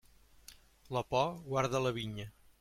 La por guarda la vinya.